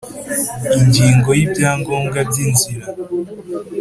Ingingo yi bya ngombwa byinzira